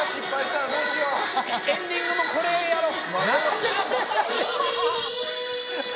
エンディングもこれやろう。